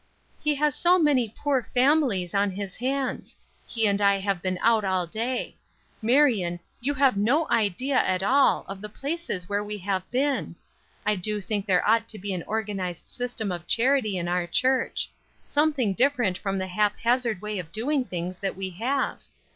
"He has so many poor families on his hands; he and I have been out all day. Marion you have no idea at all of the places where we have been! I do think there ought to be an organized system of charity in our church; something different from the hap hazard way of doing things that we have.